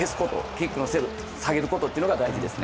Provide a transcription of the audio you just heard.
キックの精度を下げることが大事ですね。